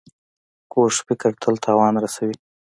کوږ فکر تل تاوان رسوي